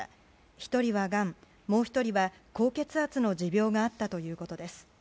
１人はがん、もう１人は高血圧の持病があったということです。